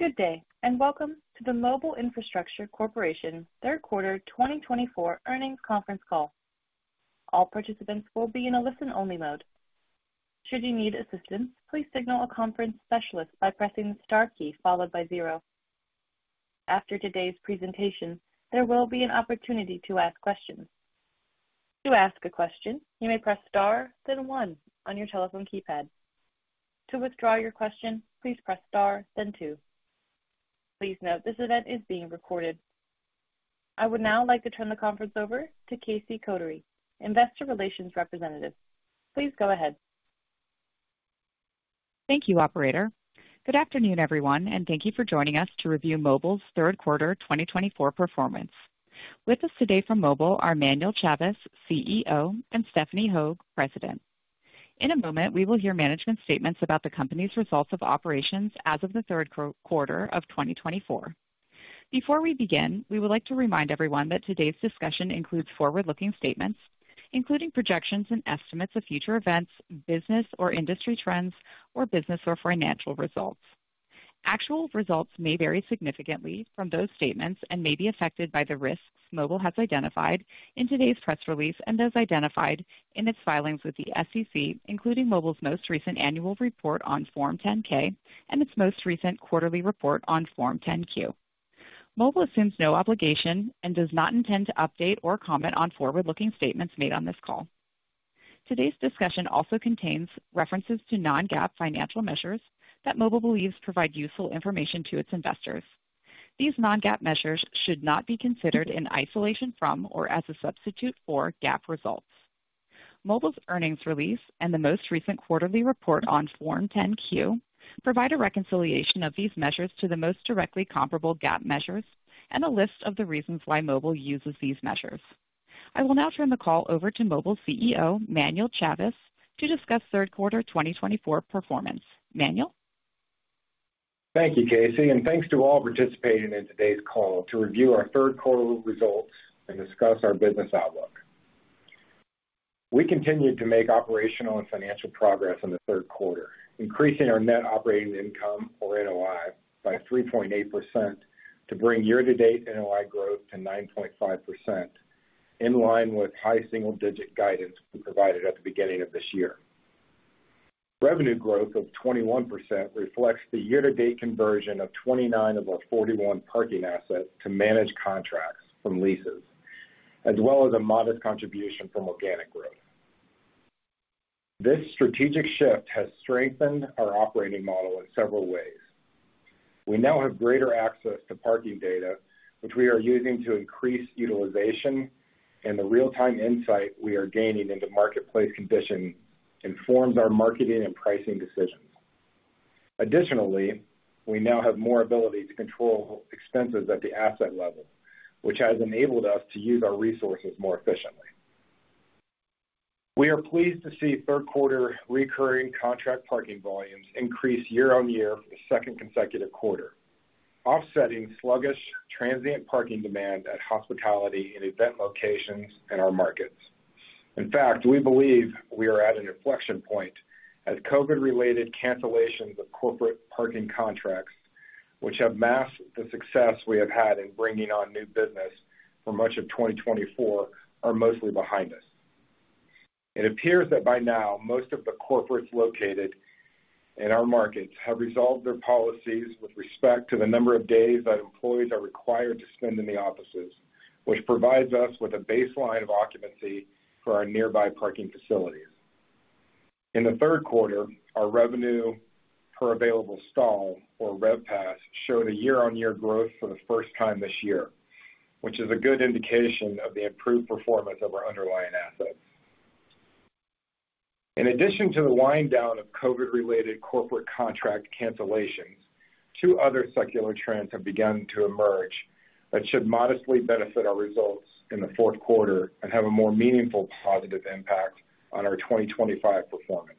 Good day, and welcome to the Mobile Infrastructure Corporation Third Quarter 2024 earnings conference call. All participants will be in a listen-only mode. Should you need assistance, please signal a conference specialist by pressing the star key followed by zero. After today's presentation, there will be an opportunity to ask questions. To ask a question, you may press star, then one on your telephone keypad. To withdraw your question, please press star, then two. Please note this event is being recorded. I would now like to turn the conference over to Casey Kotary, Investor Relations Representative. Please go ahead. Thank you, Operator. Good afternoon, everyone, and thank you for joining us to review Mobile's Third Quarter 2024 performance. With us today from Mobile are Manuel Chavez, CEO, and Stephanie Hogue, President. In a moment, we will hear management statements about the company's results of operations as of the Third Quarter of 2024. Before we begin, we would like to remind everyone that today's discussion includes forward-looking statements, including projections and estimates of future events, business or industry trends, or business or financial results. Actual results may vary significantly from those statements and may be affected by the risks Mobile has identified in today's press release and those identified in its filings with the SEC, including Mobile's most recent annual report on Form 10-K and its most recent quarterly report on Form 10-Q. Mobile assumes no obligation and does not intend to update or comment on forward-looking statements made on this call. Today's discussion also contains references to non-GAAP financial measures that Mobile believes provide useful information to its investors. These non-GAAP measures should not be considered in isolation from or as a substitute for GAAP results. Mobile's earnings release and the most recent quarterly report on Form 10-Q provide a reconciliation of these measures to the most directly comparable GAAP measures and a list of the reasons why Mobile uses these measures. I will now turn the call over to Mobile's CEO, Manuel Chavez, to discuss third quarter 2024 performance. Manuel. Thank you, Casey, and thanks to all participating in today's call to review our Third Quarter results and discuss our business outlook. We continued to make operational and financial progress in the Third Quarter, increasing our net operating income, or NOI, by 3.8% to bring year-to-date NOI growth to 9.5%, in line with high single-digit guidance we provided at the beginning of this year. Revenue growth of 21% reflects the year-to-date conversion of 29 of our 41 parking assets to managed contracts from leases, as well as a modest contribution from organic growth. This strategic shift has strengthened our operating model in several ways. We now have greater access to parking data, which we are using to increase utilisation, and the real-time insight we are gaining into marketplace conditions informs our marketing and pricing decisions. Additionally, we now have more ability to control expenses at the asset level, which has enabled us to use our resources more efficiently. We are pleased to see third quarter recurring contract parking volumes increase year-on-year for the second consecutive quarter, offsetting sluggish, transient parking demand at hospitality and event locations in our markets. In fact, we believe we are at an inflection point as COVID-related cancellations of corporate parking contracts, which have masked the success we have had in bringing on new business for much of 2024, are mostly behind us. It appears that by now, most of the corporates located in our markets have resolved their policies with respect to the number of days that employees are required to spend in the offices, which provides us with a baseline of occupancy for our nearby parking facilities. In the Third Quarter, our revenue per available stall, or RevPAS, showed a year-on-year growth for the first time this year, which is a good indication of the improved performance of our underlying assets. In addition to the wind-down of COVID-related corporate contract cancellations, two other secular trends have begun to emerge that should modestly benefit our results in the Fourth Quarter and have a more meaningful positive impact on our 2025 performance.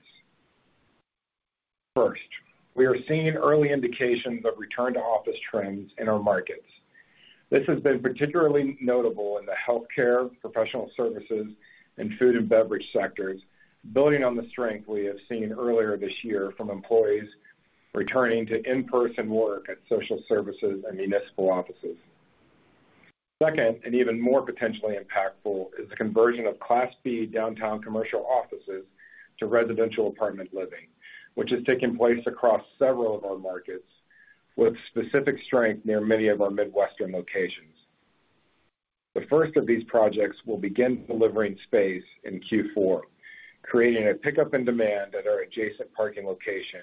First, we are seeing early indications of return-to-office trends in our markets. This has been particularly notable in the healthcare, professional services, and food and beverage sectors, building on the strength we have seen earlier this year from employees returning to in-person work at social services and municipal offices. Second, and even more potentially impactful, is the conversion of Class B downtown commercial offices to residential apartment living, which is taking place across several of our markets, with specific strength near many of our Midwestern locations. The first of these projects will begin delivering space in Q4, creating a pickup in demand at our adjacent parking location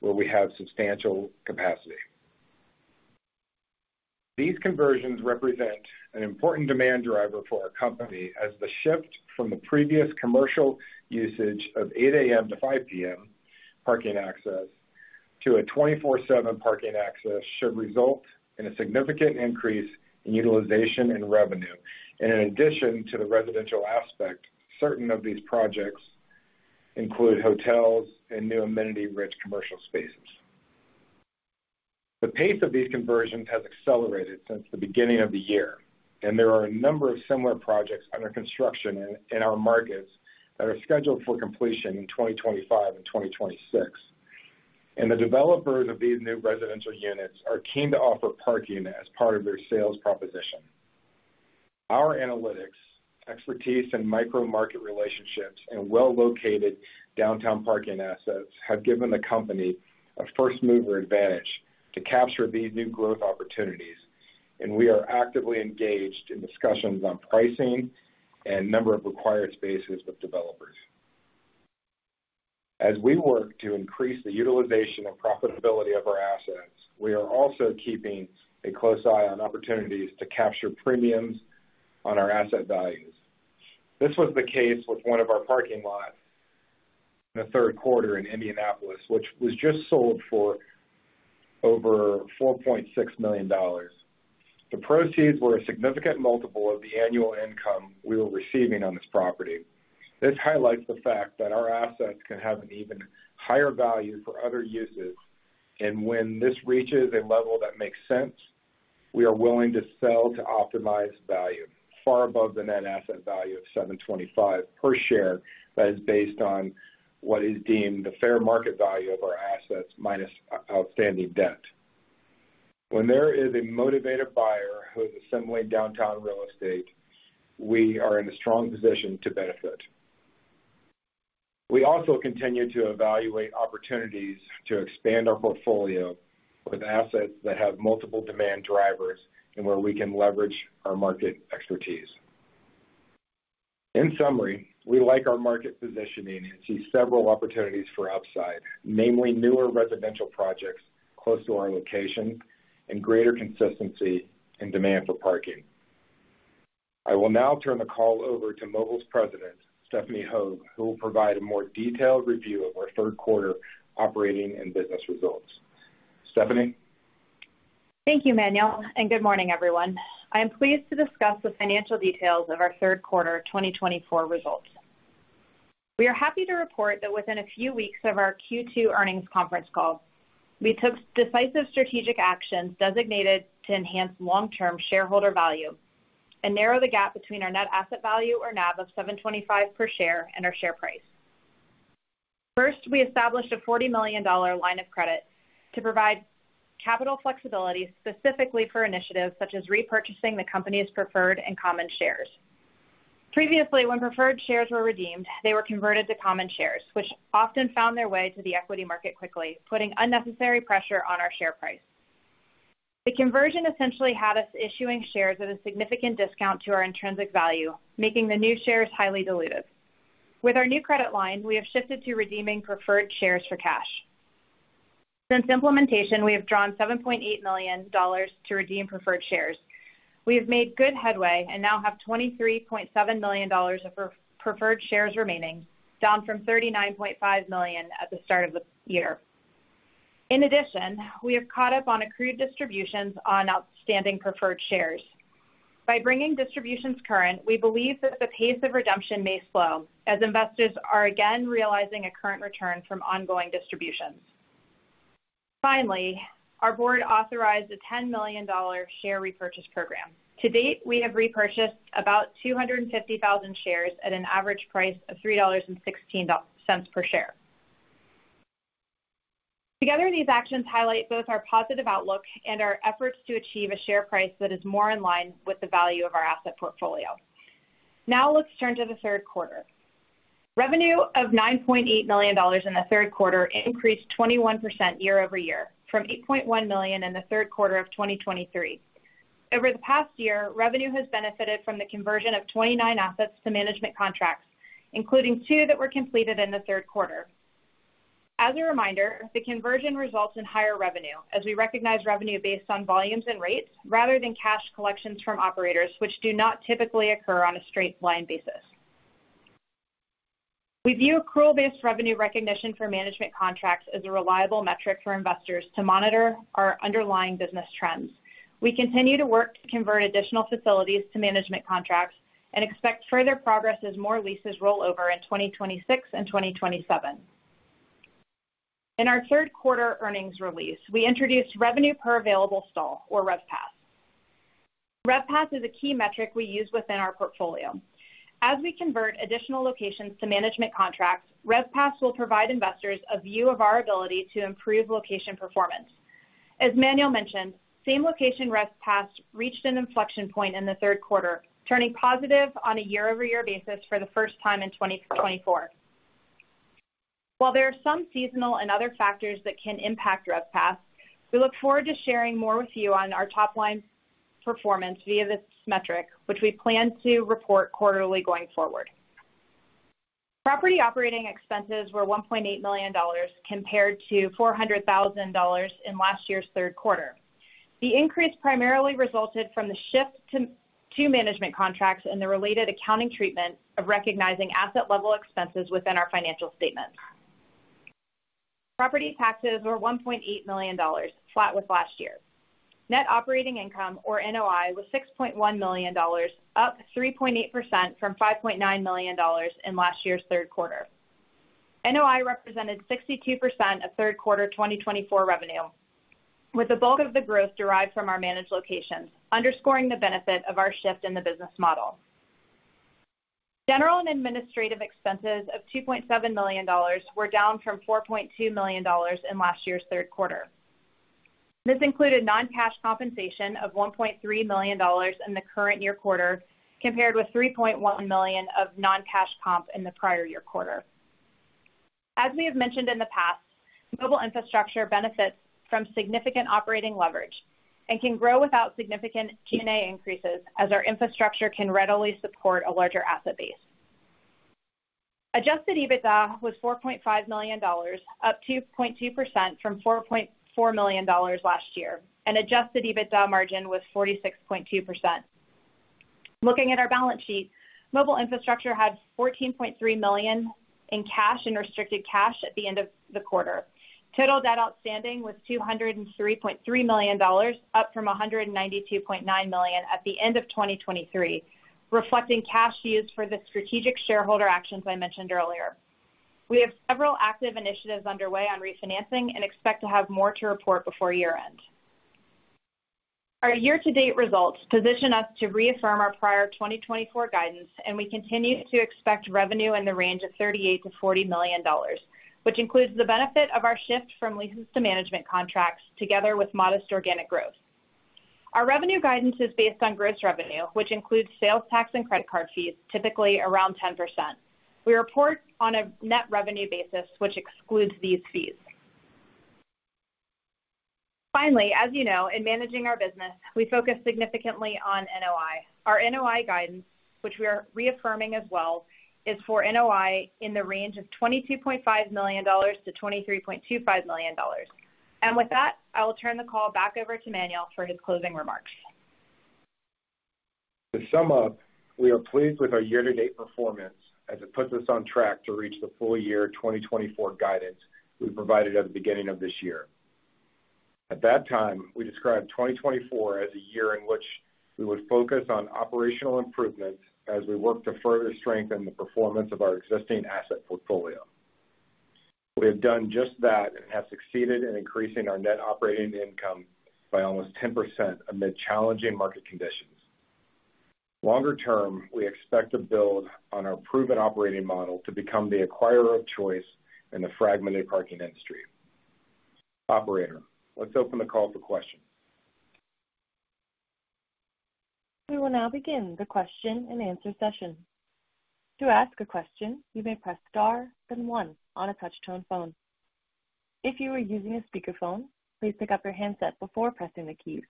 where we have substantial capacity. These conversions represent an important demand driver for our company, as the shift from the previous commercial usage of 8:00 A.M. to 5:00 P.M. parking access to a 24/7 parking access should result in a significant increase in utilization and revenue. In addition to the residential aspect, certain of these projects include hotels and new amenity-rich commercial spaces. The pace of these conversions has accelerated since the beginning of the year, and there are a number of similar projects under construction in our markets that are scheduled for completion in 2025 and 2026. The developers of these new residential units are keen to offer parking as part of their sales proposition. Our analytics, expertise, and micro-market relationships in well-located downtown parking assets have given the company a first-mover advantage to capture these new growth opportunities, and we are actively engaged in discussions on pricing and number of required spaces with developers. As we work to increase the utilisation and profitability of our assets, we are also keeping a close eye on opportunities to capture premiums on our asset values. This was the case with one of our parking lots in the third quarter in Indianapolis, which was just sold for over $4.6 million. The proceeds were a significant multiple of the annual income we were receiving on this property. This highlights the fact that our assets can have an even higher value for other uses, and when this reaches a level that makes sense, we are willing to sell to optimise value, far above the net asset value of $725 per share that is based on what is deemed the fair market value of our assets minus outstanding debt. When there is a motivated buyer who is assembling downtown real estate, we are in a strong position to benefit. We also continue to evaluate opportunities to expand our portfolio with assets that have multiple demand drivers and where we can leverage our market expertise. In summary, we like our market positioning and see several opportunities for upside, namely newer residential projects close to our location and greater consistency in demand for parking. I will now turn the call over to Mobile's President, Stephanie Hogue, who will provide a more detailed review of our Third Quarter operating and business results. Stephanie? Thank you, Manuel, and good morning, everyone. I am pleased to discuss the financial details of our Third Quarter 2024 results. We are happy to report that within a few weeks of our Q2 earnings conference call, we took decisive strategic actions designed to enhance long-term shareholder value and narrow the gap between our net asset value, or NAV, of $725 per share and our share price. First, we established a $40 million line of credit to provide capital flexibility specifically for initiatives such as repurchasing the company's preferred and common shares. Previously, when preferred shares were redeemed, they were converted to common shares, which often found their way to the equity market quickly, putting unnecessary pressure on our share price. The conversion essentially had us issuing shares at a significant discount to our intrinsic value, making the new shares highly diluted. With our new credit line, we have shifted to redeeming preferred shares for cash. Since implementation, we have drawn $7.8 million to redeem preferred shares. We have made good headway and now have $23.7 million of preferred shares remaining, down from $39.5 million at the start of the year. In addition, we have caught up on accrued distributions on outstanding preferred shares. By bringing distributions current, we believe that the pace of redemption may slow as investors are again realising a current return from ongoing distributions. Finally, our board authorized a $10 million share repurchase program. To date, we have repurchased about 250,000 shares at an average price of $3.16 per share. Together, these actions highlight both our positive outlook and our efforts to achieve a share price that is more in line with the value of our asset portfolio. Now let's turn to the third quarter. Revenue of $9.8 million in the Third Quarter increased 21% year-over-year from $8.1 million in the Third Quarter of 2023. Over the past year, revenue has benefited from the conversion of 29 assets to management contracts, including two that were completed in the Third Quarter. As a reminder, the conversion results in higher revenue as we recognize revenue based on volumes and rates rather than cash collections from operators, which do not typically occur on a straight-line basis. We view accrual-based revenue recognition for management contracts as a reliable metric for investors to monitor our underlying business trends. We continue to work to convert additional facilities to management contracts and expect further progress as more leases roll over in 2026 and 2027. In our Third Quarter earnings release, we introduced revenue per available stall, or RevPAS. RevPAS is a key metric we use within our portfolio. As we convert additional locations to management contracts, RevPAS will provide investors a view of our ability to improve location performance. As Manuel mentioned, same-location RevPAS reached an inflection point in the Third Quarter, turning positive on a year-over-year basis for the first time in 2024. While there are some seasonal and other factors that can impact RevPAS, we look forward to sharing more with you on our top-line performance via this metric, which we plan to report quarterly going forward. Property operating expenses were $1.8 million compared to $400,000 in last year's Third Quarter. The increase primarily resulted from the shift to management contracts and the related accounting treatment of recognizing asset-level expenses within our financial statements. Property taxes were $1.8 million, flat with last year. Net operating income, or NOI, was $6.1 million, up 3.8% from $5.9 million in last year's Third Quarter. NOI represented 62% of Third Quarter 2024 revenue, with the bulk of the growth derived from our managed locations, underscoring the benefit of our shift in the business model. General and administrative expenses of $2.7 million were down from $4.2 million in last year's Third Quarter. This included non-cash compensation of $1.3 million in the current year quarter compared with $3.1 million of non-cash comp in the prior year quarter. As we have mentioned in the past, Mobile Infrastructure benefits from significant operating leverage and can grow without significant G&A increases, as our infrastructure can readily support a larger asset base. Adjusted EBITDA was $4.5 million, up 2.2% from $4.4 million last year, and adjusted EBITDA margin was 46.2%. Looking at our balance sheet, Mobile Infrastructure had $14.3 million in cash and restricted cash at the end of the quarter. Total debt outstanding was $203.3 million, up from $192.9 million at the end of 2023, reflecting cash used for the strategic shareholder actions I mentioned earlier. We have several active initiatives underway on refinancing and expect to have more to report before year-end. Our year-to-date results position us to reaffirm our prior 2024 guidance, and we continue to expect revenue in the range of $38-$40 million, which includes the benefit of our shift from leases to management contracts together with modest organic growth. Our revenue guidance is based on gross revenue, which includes sales tax and credit card fees, typically around 10%. We report on a net revenue basis, which excludes these fees. Finally, as you know, in managing our business, we focus significantly on NOI. Our NOI guidance, which we are reaffirming as well, is for NOI in the range of $22.5-$23.25 million. With that, I will turn the call back over to Manuel for his closing remarks. To sum up, we are pleased with our year-to-date performance as it puts us on track to reach the full-year 2024 guidance we provided at the beginning of this year. At that time, we described 2024 as a year in which we would focus on operational improvements as we work to further strengthen the performance of our existing asset portfolio. We have done just that and have succeeded in increasing our net operating income by almost 10% amid challenging market conditions. Longer term, we expect to build on our proven operating model to become the acquirer of choice in the fragmented parking industry. Operator, let's open the call for questions. We will now begin the question-and-answer session. To ask a question, you may press star then one on a touch-tone phone. If you are using a speakerphone, please pick up your handset before pressing the keys.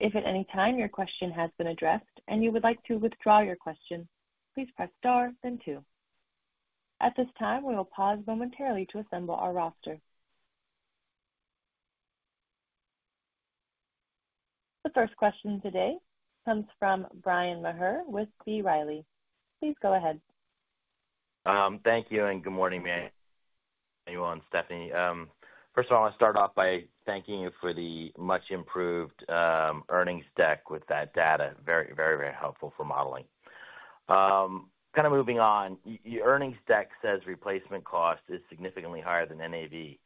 If at any time your question has been addressed and you would like to withdraw your question, please press star then two. At this time, we will pause momentarily to assemble our roster. The first question today comes from Brian Maher with B. Riley. Please go ahead. Thank you and good morning, Manuel and Stephanie. First of all, I'll start off by thanking you for the much-improved earnings deck with that data. Very, very, very helpful for modeling. Kind of moving on, your earnings deck says replacement cost is significantly higher than NAV.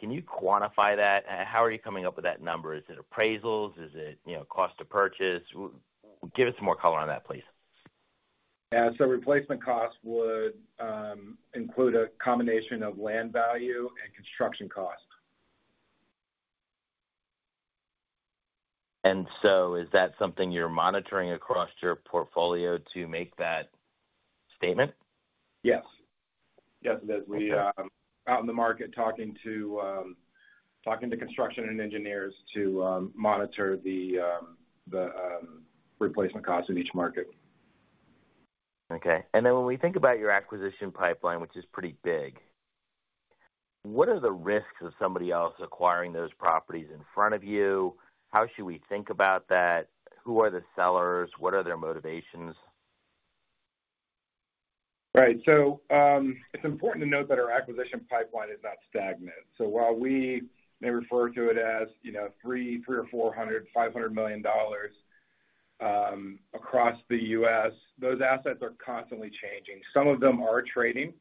Can you quantify that? How are you coming up with that number? Is it appraisals? Is it cost of purchase? Give us some more color on that, please. Yeah. So replacement cost would include a combination of land value and construction cost. Is that something you're monitoring across your portfolio to make that statement? Yes. Yes, it is. We are out in the market talking to construction and engineers to monitor the replacement costs in each market. Okay. And then when we think about your acquisition pipeline, which is pretty big, what are the risks of somebody else acquiring those properties in front of you? How should we think about that? Who are the sellers? What are their motivations? Right, so it's important to note that our acquisition pipeline is not stagnant. So while we may refer to it as $300, $400, $500 million across the U.S., those assets are constantly changing. Some of them are trading,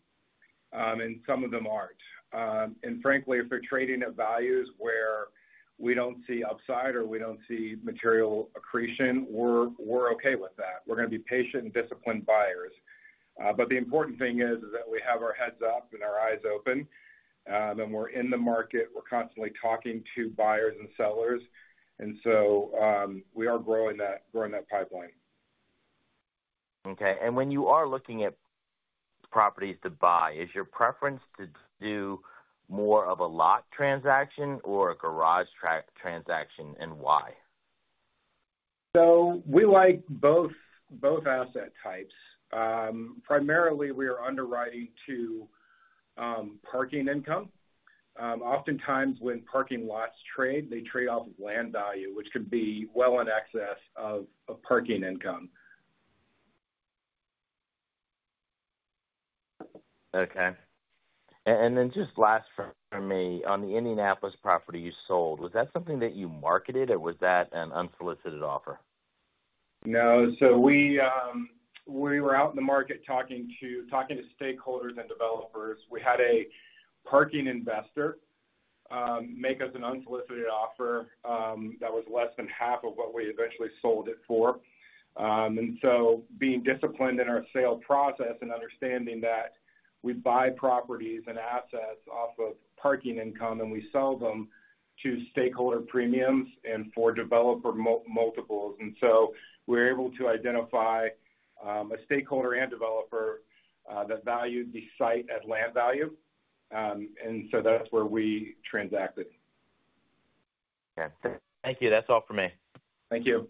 and some of them aren't. And frankly, if they're trading at values where we don't see upside or we don't see material accretion, we're okay with that. We're going to be patient and disciplined buyers. But the important thing is that we have our heads up and our eyes open, and we're in the market. We're constantly talking to buyers and sellers, and so we are growing that pipeline. Okay. When you are looking at properties to buy, is your preference to do more of a lot transaction or a garage transaction, and why? So we like both asset types. Primarily, we are underwriting to parking income. Oftentimes, when parking lots trade, they trade off of land value, which could be well in excess of parking income. Okay. And then just last for me, on the Indianapolis property you sold, was that something that you marketed, or was that an unsolicited offer? No. So we were out in the market talking to stakeholders and developers. We had a parking investor make us an unsolicited offer that was less than half of what we eventually sold it for. And so, being disciplined in our sale process and understanding that we buy properties and assets off of parking income, and we sell them to stakeholder premiums and for developer multiples. And so we were able to identify a stakeholder and developer that valued the site at land value. And so that's where we transacted. Okay. Thank you. That's all for me. Thank you.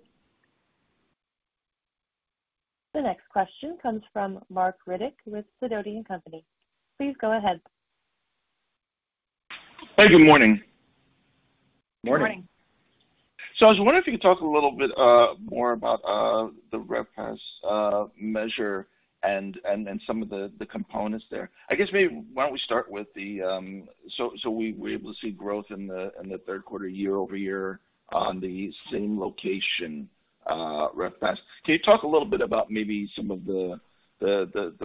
The next question comes from Mark Riddick with Sidoti & Company. Please go ahead. Hey, good morning. Morning. Morning. So I was wondering if you could talk a little bit more about the RevPAS measure and some of the components there. I guess maybe why don't we start with, so we were able to see growth in the third quarter year-over-year on the same location RevPAS. Can you talk a little bit about maybe some of the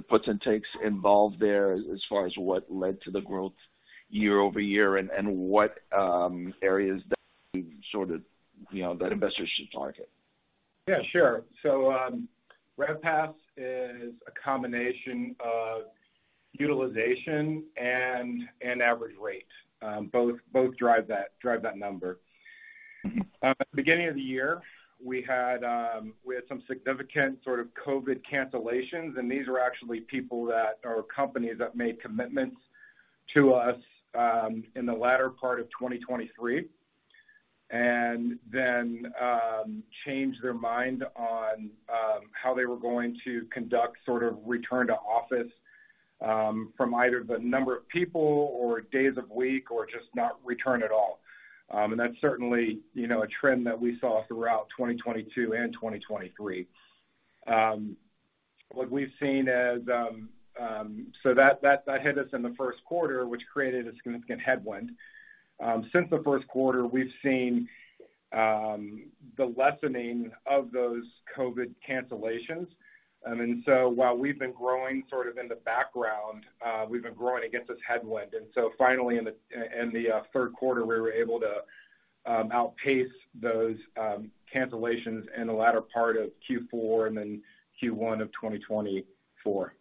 puts and takes involved there as far as what led to the growth year-over-year and what areas that sort of investors should target? Yeah, sure. So RevPASS is a combination of utilization and average rate. Both drive that number. At the beginning of the year, we had some significant sort of COVID cancellations, and these were actually people that or companies that made commitments to us in the latter part of 2023 and then changed their mind on how they were going to conduct sort of return to office from either the number of people or days of week or just not return at all. And that's certainly a trend that we saw throughout 2022 and 2023. What we've seen is so that hit us in the first quarter, which created a significant headwind. Since the first quarter, we've seen the lessening of those COVID cancellations. And so while we've been growing sort of in the background, we've been growing against this headwind. And so finally, in the third quarter, we were able to outpace those cancellations in the latter part of Q4 and then Q1 of 2024.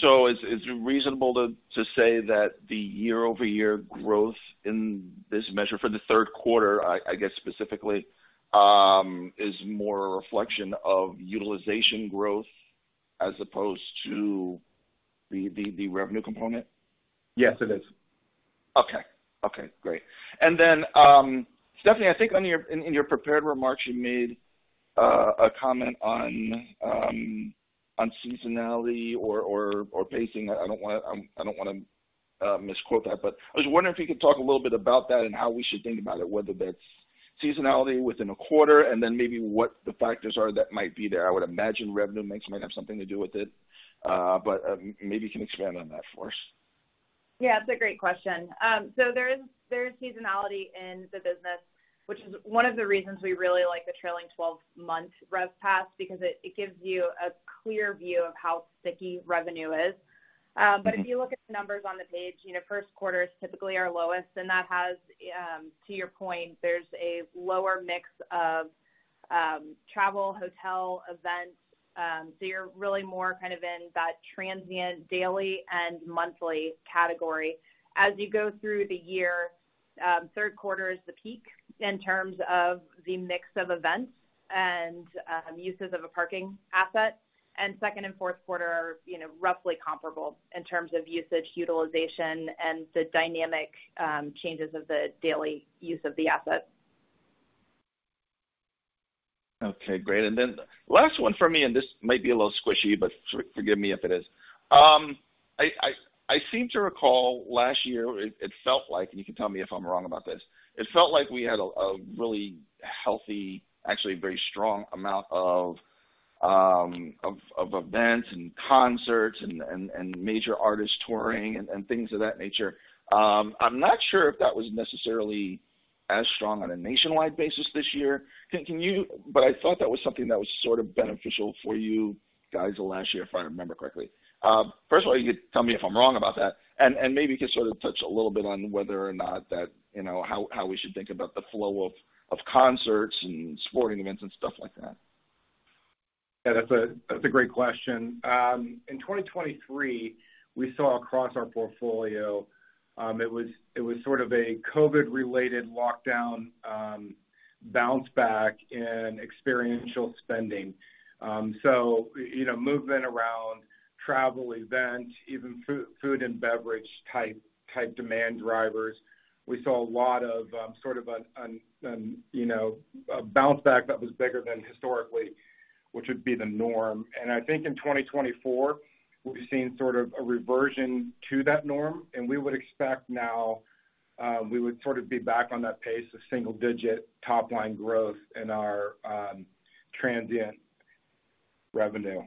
So is it reasonable to say that the year-over-year growth in this measure for the Third Quarter, I guess specifically, is more a reflection of utilization growth as opposed to the revenue component? Yes, it is. Okay. Okay. Great, and then, Stephanie, I think in your prepared remarks, you made a comment on seasonality or pacing. I don't want to misquote that, but I was wondering if you could talk a little bit about that and how we should think about it, whether that's seasonality within a quarter and then maybe what the factors are that might be there. I would imagine revenue mix might have something to do with it, but maybe you can expand on that for us. Yeah, that's a great question. So there is seasonality in the business, which is one of the reasons we really like the trailing 12-month RevPAS because it gives you a clear view of how sticky revenue is. But if you look at the numbers on the page, first quarters typically are lowest. And that has, to your point, there's a lower mix of travel, hotel, events. So you're really more kind of in that transient daily and monthly category. As you go through the year, third quarter is the peak in terms of the mix of events and uses of a parking asset. And second and fourth quarter are roughly comparable in terms of usage, utilization, and the dynamic changes of the daily use of the asset. Okay. Great. And then last one for me, and this might be a little squishy, but forgive me if it is. I seem to recall last year, it felt like, and you can tell me if I'm wrong about this, it felt like we had a really healthy, actually very strong amount of events and concerts and major artists touring and things of that nature. I'm not sure if that was necessarily as strong on a nationwide basis this year. But I thought that was something that was sort of beneficial for you guys last year, if I remember correctly. First of all, you could tell me if I'm wrong about that. And maybe you could sort of touch a little bit on whether or not that how we should think about the flow of concerts and sporting events and stuff like that? Yeah, that's a great question. In 2023, we saw across our portfolio, it was sort of a COVID-related lock down bounce back in experiential spending. So movement around travel, events, even food and beverage-type demand drivers. We saw a lot of sort of a bounce back that was bigger than historically, which would be the norm. And I think in 2024, we've seen sort of a reversion to that norm. And we would expect now we would sort of be back on that pace of single-digit top-line growth in our transient revenue.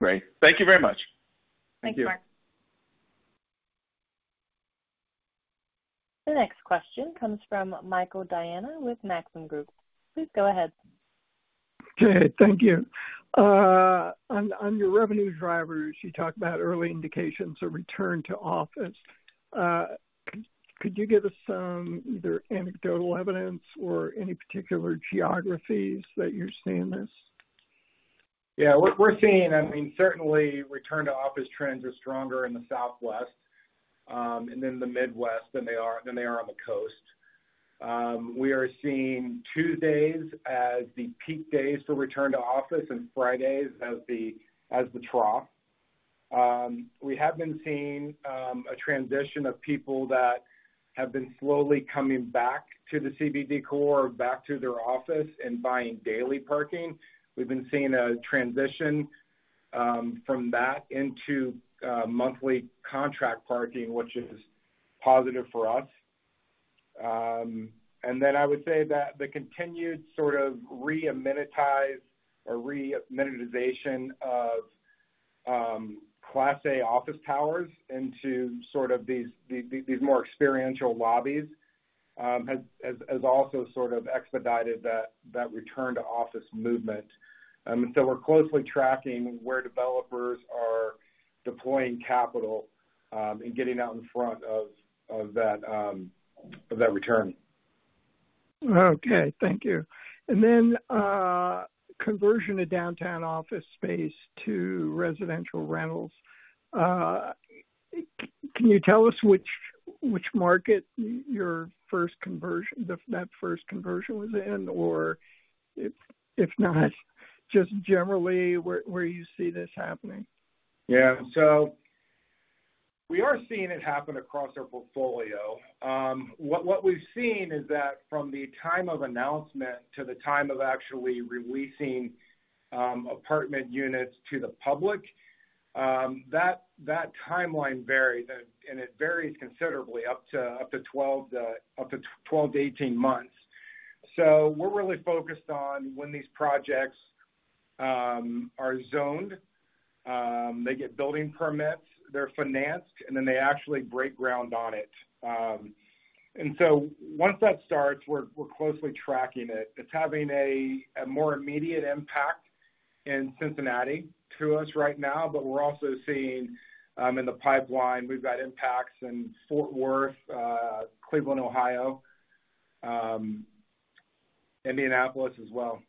Great. Thank you very much. Thank you, Mark. The next question comes from Michael Diana with Maxim Group. Please go ahead. Okay. Thank you. On your revenue drivers, you talked about early indications of return to office. Could you give us some either anecdotal evidence or any particular geographies that you're seeing this? Yeah. We're seeing, I mean, certainly, return-to-office trends are stronger in the Southwest and then the Midwest than they are on the coast. We are seeing Tuesdays as the peak days for return to office and Fridays as the trough. We have been seeing a transition of people that have been slowly coming back to the CBD core or back to their office and buying daily parking. We've been seeing a transition from that into monthly contract parking, which is positive for us, and then I would say that the continued sort of re-amenitization of Class A office towers into sort of these more experiential lobbies has also sort of expedited that return-to-office movement, and so we're closely tracking where developers are deploying capital and getting out in front of that return. Okay. Thank you. And then conversion to downtown office space to residential rentals. Can you tell us which market that first conversion was in? Or if not, just generally where you see this happening? Yeah, so we are seeing it happen across our portfolio. What we've seen is that from the time of announcement to the time of actually releasing apartment units to the public, that timeline varies, and it varies considerably up to 12-18 months. We're really focused on when these projects are zoned, they get building permits, they're financed, and then they actually break ground on it. Once that starts, we're closely tracking it. It's having a more immediate impact in Cincinnati to us right now, but we're also seeing in the pipeline. We've got impacts in Fort Worth, Cleveland, Ohio, Indianapolis as well.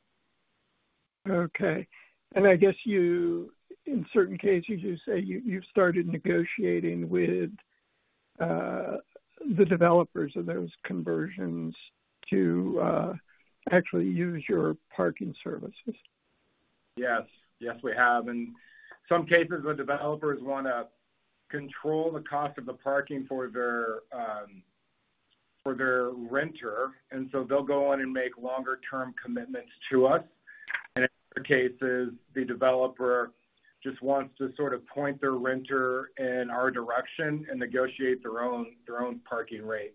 Okay. And I guess in certain cases, you say you've started negotiating with the developers of those conversions to actually use your parking services. Yes. Yes, we have. And in some cases, the developers want to control the cost of the parking for their renter. And so they'll go on and make longer-term commitments to us. And in other cases, the developer just wants to sort of point their renter in our direction and negotiate their own parking rate.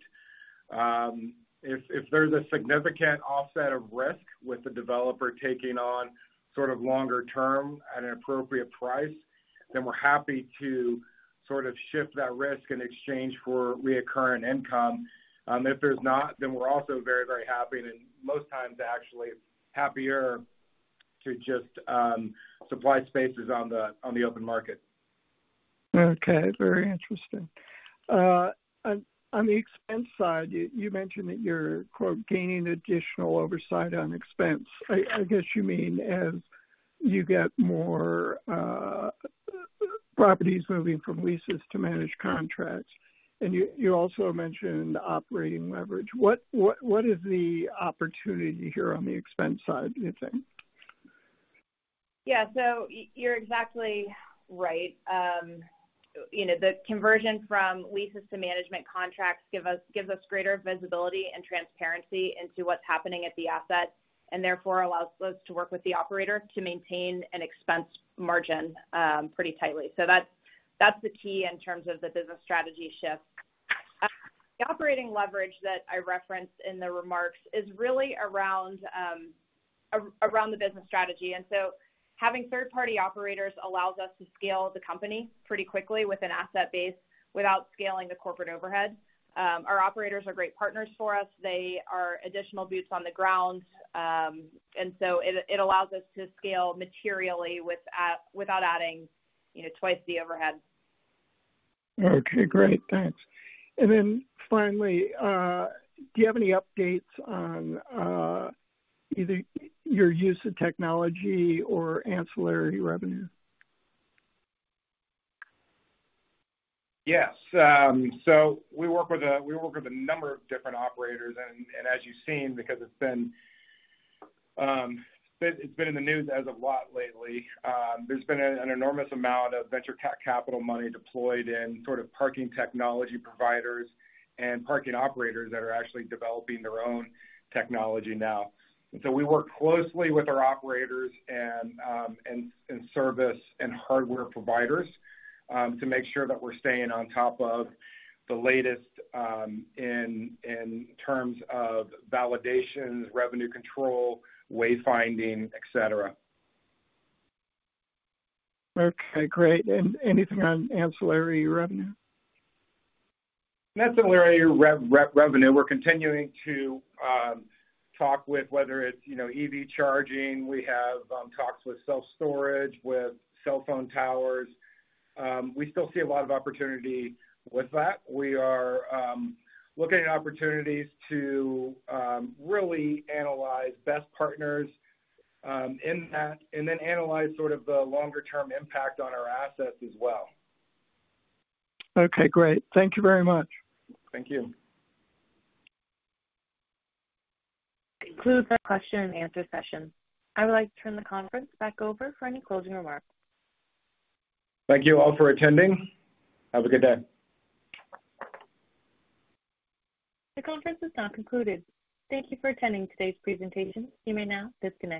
If there's a significant offset of risk with the developer taking on sort of longer-term at an appropriate price, then we're happy to sort of shift that risk in exchange for recurring income. If there's not, then we're also very, very happy and most times, actually happier to just supply spaces on the open market. Okay. Very interesting. On the expense side, you mentioned that you're "gaining additional oversight on expense." I guess you mean as you get more properties moving from leases to managed contracts. And you also mentioned operating leverage. What is the opportunity here on the expense side, do you think? Yeah. So you're exactly right. The conversion from leases to management contracts gives us greater visibility and transparency into what's happening at the asset and therefore allows us to work with the operator to maintain an expense margin pretty tightly. So that's the key in terms of the business strategy shift. The operating leverage that I referenced in the remarks is really around the business strategy. And so having third-party operators allows us to scale the company pretty quickly with an asset base without scaling the corporate overhead. Our operators are great partners for us. They are additional boots on the ground. And so it allows us to scale materially without adding twice the overhead. Okay. Great. Thanks. And then finally, do you have any updates on either your use of technology or ancillary revenue? Yes. So we work with a number of different operators. And as you've seen, because it's been in the news as of lately, there's been an enormous amount of venture capital money deployed in sort of parking technology providers and parking operators that are actually developing their own technology now. And so we work closely with our operators and service and hardware providers to make sure that we're staying on top of the latest in terms of validations, revenue control, wayfinding, etc. Okay. Great. And anything on ancillary revenue? Ancillary revenue, we're continuing to talk with whether it's EV charging. We have talks with self-storage, with cell phone towers. We still see a lot of opportunity with that. We are looking at opportunities to really analyze best partners in that and then analyze sort of the longer-term impact on our assets as well. Okay. Great. Thank you very much. Thank you. That concludes our question-and-answer session. I would like to turn the conference back over for any closing remarks. Thank you all for attending. Have a good day. The conference is now concluded. Thank you for attending today's presentation. You may now disconnect.